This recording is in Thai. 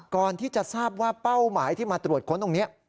ก่อนที่จะทราบว่าเป้าหมายที่มาตรวจค้นตรงนี้